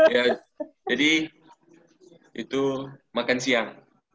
ya jadi itu makan siang